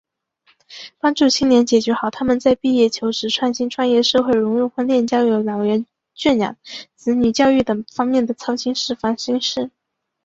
帮助青年解决好他们在毕业求职、创新创业、社会融入、婚恋交友、老人赡养、子女教育等方面的操心事、烦心事……